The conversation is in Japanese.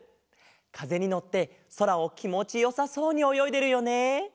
かぜにのってそらをきもちよさそうにおよいでるよね。